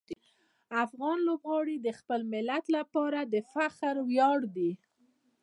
افغان لوبغاړي د خپل ملت لپاره د فخر وړ دي.